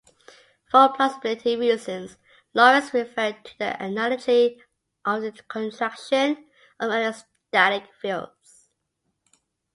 For plausibility reasons, Lorentz referred to the analogy of the contraction of electrostatic fields.